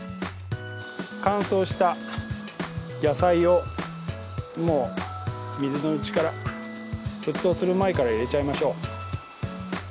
乾燥した野菜をもう水のうちから沸騰する前から入れちゃいましょう。